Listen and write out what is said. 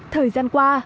thời gian qua